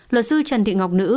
luật sư trần thị ngọc nữ